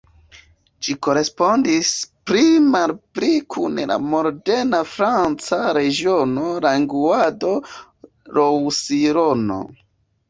Ĝi korespondis pli malpli kun la moderna franca regiono Languedoc-Roussillon.